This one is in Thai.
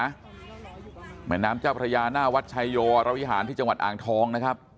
แม่น้ำเจ้าพระยาหน้าวัดชายโยวรวิหารที่จังหวัดอ่างทองนะครับ